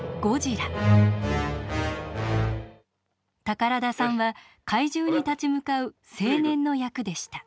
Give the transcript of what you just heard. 宝田さんは怪獣に立ち向かう青年の役でした。